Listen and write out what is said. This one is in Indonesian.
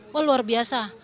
wah luar biasa